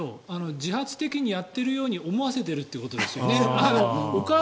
自発的にやっているように思わせているということですよね。